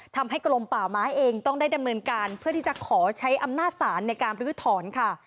ทำให้กรมป่าไม้เองต้องได้ดำเนินการเพื่อที่จะขอใช้อำนาจศาลในการรื้อถอนค่ะ